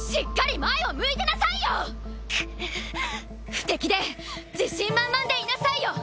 不敵で自信満々でいなさいよ。